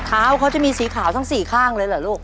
เท้าเขาจะมีสีขาวทั้งสี่ข้างเลยเหรอลูก